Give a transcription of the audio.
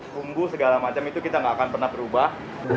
bumbu segala macam itu kita nggak akan pernah berubah